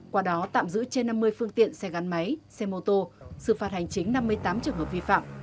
qua đó tạm giữ trên năm mươi phương tiện xe gắn máy xe mô tô xử phạt hành chính năm mươi tám trường hợp vi phạm